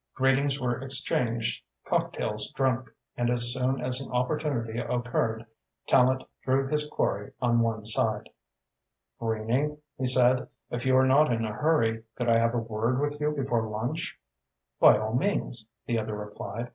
Greetings were exchanged, cocktails drunk, and as soon as an opportunity occurred Tallente drew his quarry on one side. "Greening," he said, "if you are not in a hurry, could I have a word with you before lunch?" "By all means," the other replied.